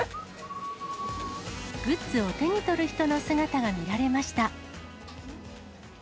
グッズを手に取る人の姿が見られました。